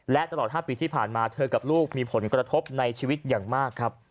และตลอด๕ปีที่ผ่านมาเธอกับลูกมีผลกระทบในชีวิตอย่างมากครับ